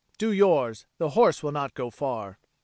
Do yours; the horse will not go far."